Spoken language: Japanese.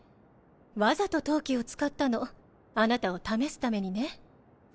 わざと陶器を使ったのあなたを試すためにね。